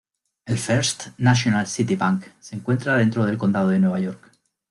El First National City Bank se encuentra dentro del condado de Nueva York.